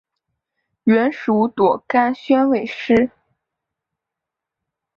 元代属朵甘宣慰司。